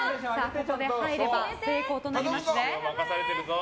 ここで入れば成功となります。